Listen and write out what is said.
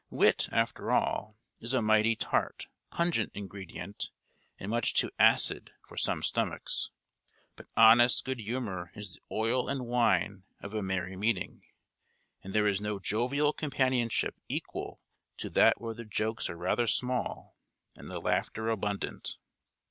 Wit, after all, is a mighty tart, pungent ingredient, and much too acid for some stomachs; but honest good humour is the oil and wine of a merry meeting, and there is no jovial companionship equal to that where the jokes are rather small, and the laughter abundant.